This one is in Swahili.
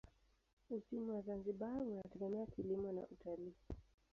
Uchumi wa Zanzibar unategemea kilimo na utalii.